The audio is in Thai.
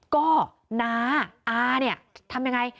ก็น้าอาเนี่ยทำยังไง